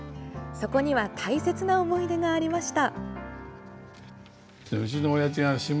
そこには大切な思い出がありました。